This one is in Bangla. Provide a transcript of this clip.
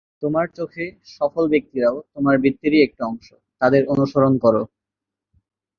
তোমার চোখে সফল ব্যক্তিরাও তোমার বৃত্তেরই একটি অংশ, তাঁদের অনুসরণ করো।